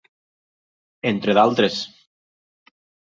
entre d'altres.